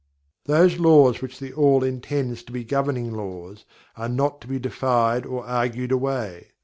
Those Laws which THE ALL intends to be governing Laws are not to be defied or argued away.